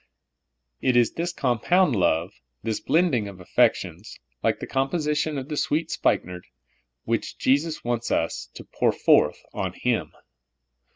It is this compound love, this blending of aifections, like the composition of the sweet spikenard, which Jesus wants us to pour forth on Him.